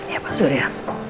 ya pak surya